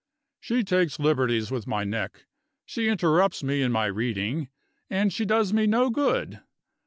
"She takes liberties with my neck; she interrupts me in my reading; and she does me no good.